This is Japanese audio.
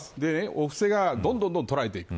お布施がどんどん取られていく。